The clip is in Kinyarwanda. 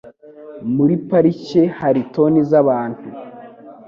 Muri parike hari toni zabantu.